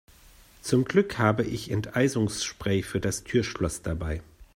Zum Glück habe ich Enteisungsspray für das Türschloss dabei.